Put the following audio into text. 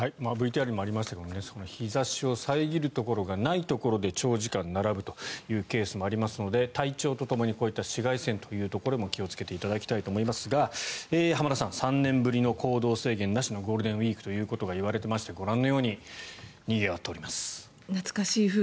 ＶＴＲにもありましたが日差しを遮るところがないところで長時間並ぶというケースもありますので体調とともにこういった紫外線というところにも気をつけていただきたいと思いますが浜田さん３年ぶりの行動制限なしのゴールデンウィークということがいわれていましてご覧のようににぎわっています。